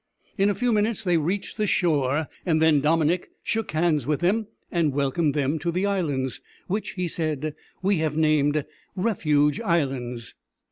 In a few minutes they reached the shore, and then Dominick shook hands with them, and welcomed them to the islands, "which," he said, "we have named `Refuge Islands.'"